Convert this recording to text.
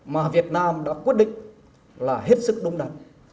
mà việt nam đã quyết định là hết sức đúng đắn